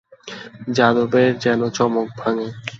যাদবের যেন চমক ভাঙে।